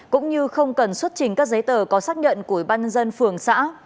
cũng như không cần xuất trình các giấy tờ có xác nhận của ủy ban nhân dân phường xã